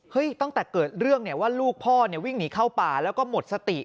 ตั้งแต่เกิดเรื่องเนี่ยว่าลูกพ่อเนี่ยวิ่งหนีเข้าป่าแล้วก็หมดสติ